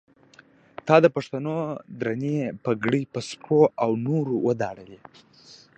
تا د پښتنو درنې پګړۍ په سپو او نورو وداړلې.